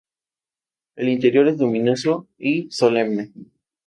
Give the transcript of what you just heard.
El interior es luminoso y solemne.